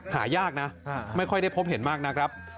หายากนะไม่ค่อยได้พบเห็นมากนะครับ